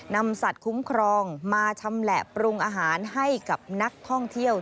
นำสัตว์คุ้มครองมาชำแหละปรุงอาหารให้กับนักท่องเที่ยว